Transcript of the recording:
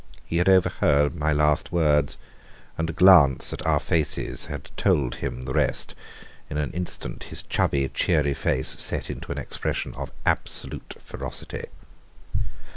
He had overheard my last words, and a glance at our faces had told him the rest. In an instant his chubby, cheery face set into an expression of absolute ferocity.